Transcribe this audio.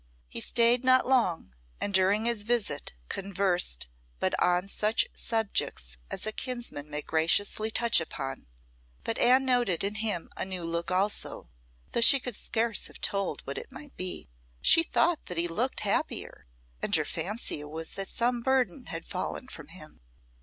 He stayed not long, and during his visit conversed but on such subjects as a kinsman may graciously touch upon; but Anne noted in him a new look also, though she could scarce have told what it might be. She thought that he looked happier, and her fancy was that some burden had fallen from him.